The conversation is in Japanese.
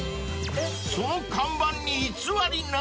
［その看板に偽りなし？］